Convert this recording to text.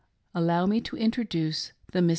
, Allow me to introduce the Mrs. Young.